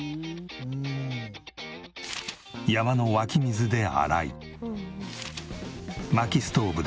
山の湧き水で洗い。